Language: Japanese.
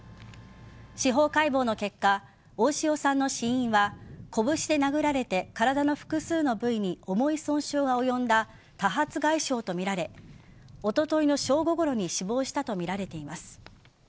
司法解剖の結果大塩さんの死因は拳で殴られて体の複数の部位に重い損傷が及んだ多発外傷とみられおとといの正午頃に死亡したとみられています。